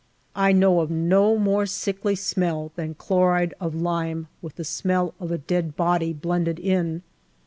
I know of no more sickly smell than chloride of lime with the smell of a dead body blended in.